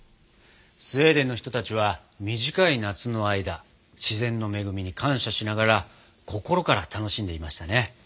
スウェーデンの人たちは短い夏の間自然の恵みに感謝しながら心から楽しんでいましたね。